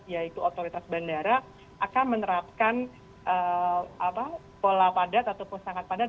yaitu otoritas bandara akan menerapkan pola padat ataupun sangat padat